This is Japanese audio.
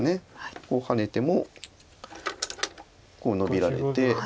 こうハネてもこうノビられて。